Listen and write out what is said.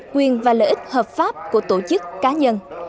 quyền và lợi ích hợp pháp của tổ chức cá nhân